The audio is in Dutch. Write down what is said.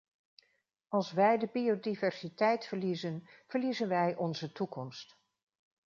Als wij de biodiversiteit verliezen, verliezen wij onze toekomst.